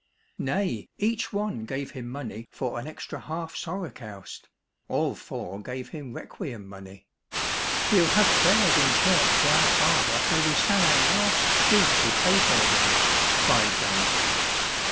Nay, each one gave him money for an extra half sorokoust, all four gave him requiem money. '' We'll have prayers in church for our father though we sell our last sheep to pay for them," cried they.